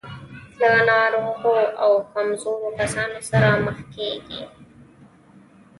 له ناروغو او کمزورو کسانو سره مخ کېږي.